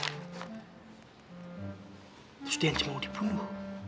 terus dia yang cemangu dipunuh